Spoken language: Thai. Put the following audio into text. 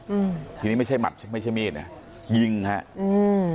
อืมทีนี้ไม่ใช่หัดไม่ใช่มีดเนี้ยยิงฮะอืม